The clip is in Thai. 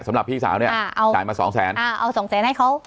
สำหรับพี่สาวเนี่ยเอาจ่ายมาสองแสนอ่าเอาสองแสนให้เขา